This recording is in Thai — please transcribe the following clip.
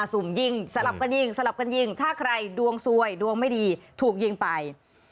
สุ่มยิงสลับกันยิงสลับกันยิงถ้าใครดวงสวยดวงไม่ดีถูกยิงไป